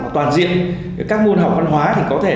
toàn diện các môn học văn hóa thì có thể